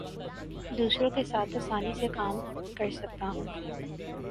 دوسروں کے ساتھ آسانی سے کام کر سکتا ہوں